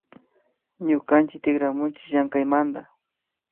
Ñukanchik tikramunchi llamkaymanta